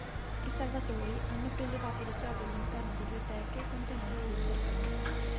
I salvatori hanno prelevato le chiavi all'interno di due teche contenenti dei serpenti.